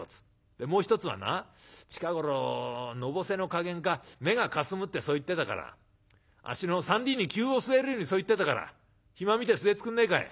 でもう一つはな近頃のぼせの加減か目がかすむってそう言ってたから足の三里に灸を据えるようにそう言ってたから暇見て据えつくんねえかい」。